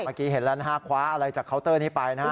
เมื่อกี้เห็นแล้วนะฮะคว้าอะไรจากเคาน์เตอร์นี้ไปนะฮะ